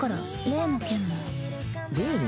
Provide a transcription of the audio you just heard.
例の件？